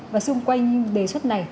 và xung quanh đề xuất này